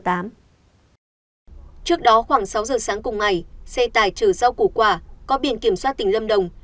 trước đó khoảng sáu giờ sáng cùng ngày xe tải trở giao cổ quả có biển kiểm soát tỉnh lâm đồng